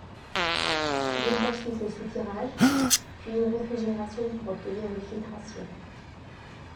Viennent ensuite le soutirage, puis une réfrigération pour obtenir une filtration.